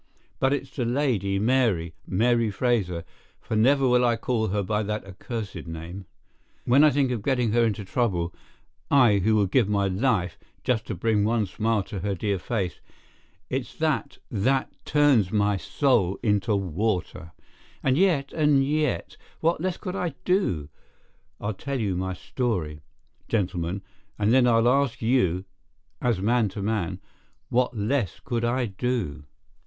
But it's the lady, Mary—Mary Fraser—for never will I call her by that accursed name. When I think of getting her into trouble, I who would give my life just to bring one smile to her dear face, it's that that turns my soul into water. And yet—and yet—what less could I do? I'll tell you my story, gentlemen, and then I'll ask you, as man to man, what less could I do?